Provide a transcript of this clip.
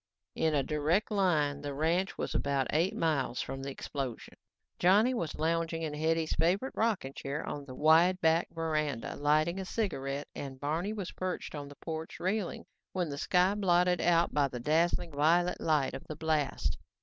In a direct line, the ranch house was about eight miles from the explosion. Johnny was lounging in Hetty's favorite rocking chair on the wide back verandah, lighting a cigarette and Barney was perched on the porch railing when the sky was blotted out by the dazzling violet light of the blast.